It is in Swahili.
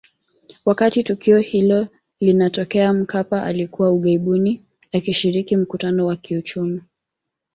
Wakati tukio hilo linatokea Mkapa alikuwa ughaibuni akishiriki mkutano wa kiuchumi